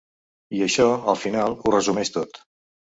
I això, al final, ho resumeix tot.